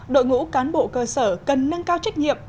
đội ngũ cán bộ cơ sở cần nâng cao trách nhiệm